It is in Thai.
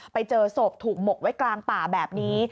ไปเจอศพถูกหมกไว้กลางป่าแบบนี้